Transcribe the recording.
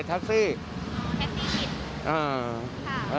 อ๋อแท็กซี่อิ๊ด